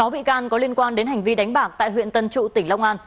sáu bị can có liên quan đến hành vi đánh bạc tại huyện tân trụ tỉnh long an